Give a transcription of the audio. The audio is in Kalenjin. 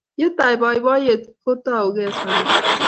Ye tai boiboiyet, ko taukei sopet